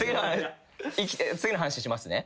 次の話しますね。